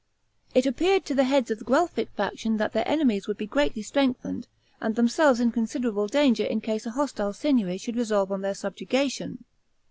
It appeared to the heads of the Guelphic faction that their enemies would be greatly strengthened, and themselves in considerable danger in case a hostile Signory should resolve on their subjugation.